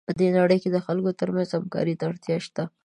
په دې نړۍ کې د خلکو ترمنځ همکارۍ ته اړتیا شته.